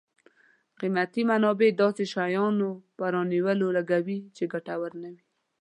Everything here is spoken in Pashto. قیمتي منابع داسې شیانو په رانیولو لګوي چې ګټور نه وي.